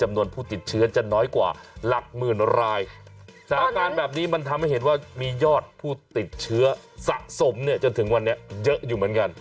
แสดงงานแบบนี้มันทำให้เห็นว่ามียอดผู้ติดเชื้อสะสมเนี่ยจนถึงวันนี้เยอะอยู่เหมือนกัน